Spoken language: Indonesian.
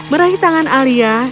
merahi tangan alia